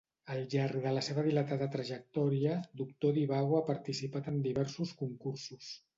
Al llarg de la seva dilatada trajectòria, Doctor Divago ha participat en diversos concursos.